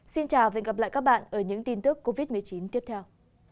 xin chào và hẹn gặp lại các bạn ở những tin tức covid một mươi chín tiếp theo